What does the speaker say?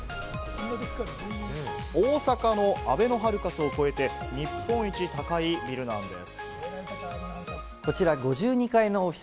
大阪のあべのハルカスを超えて、日本一高いビルなんです。